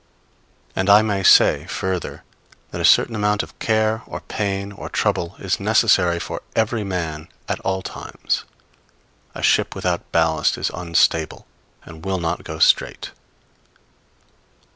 And I may say, further, that a certain amount of care or pain or trouble is necessary for every man at all times. A ship without ballast is unstable and will not go straight.